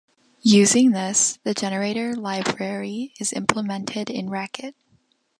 Using this, the generator library is implemented in Racket.